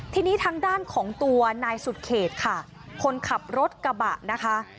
ทีนี้ทางด้านของตัวนายสุดเขตค่ะคนขับรถกระบะนะคะ